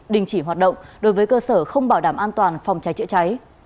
đình chỉ hoạt động đối với cơ sở không bảo đảm an toàn phòng cháy chữa cháy